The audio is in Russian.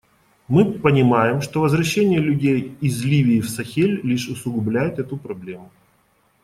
Мы понимаем, что возвращение людей из Ливии в Сахель лишь усугубляет эту проблему.